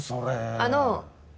あの。